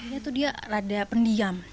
dia tuh dia rada pendiam